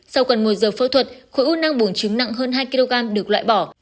sau còn một giờ phẫu thuật khối u nang buồng trứng nặng hơn hai kg được loại bỏ